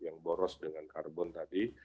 yang boros dengan karbon tadi